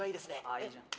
あいいじゃん。